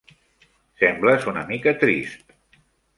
Sembles una mica trist.